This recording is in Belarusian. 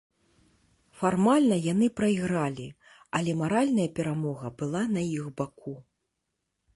Фармальна яны прайгралі, але маральная перамога была на іх баку.